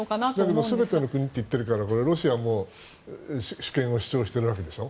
けれど全ての国って言ってるからロシアも主権を主張しているわけでしょ。